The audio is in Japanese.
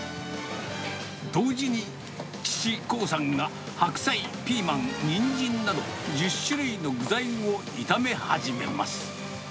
同時に父、興さんが白菜、ピーマン、ニンジンなど１０種類の具材を炒め始めます。